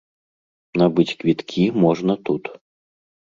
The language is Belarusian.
Набыць квіткі можна тут.